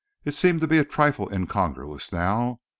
It seemed to be a trifle incongruous now.